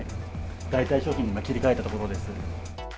代替商品に切り替えたところです。